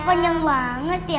kok panjang banget ya